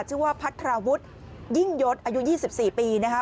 ชื่อว่าพัทราวุฒิยิ่งยศอายุ๒๔ปีนะคะ